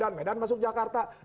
medan medan masuk jakarta